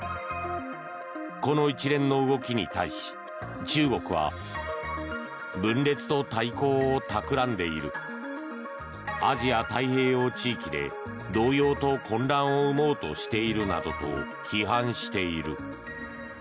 この一連の動きに対し中国は、分裂と対抗を企んでいるアジア太平洋地域で動揺と混乱を生もうとしているなどと批判している。